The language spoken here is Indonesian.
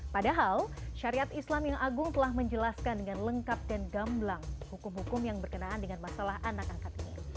padahal syariat islam yang agung telah menjelaskan dengan lengkap dan gamblang hukum hukum yang berkenaan dengan masalah anak angkat ini